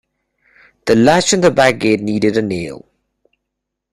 The latch on the back gate needed a nail.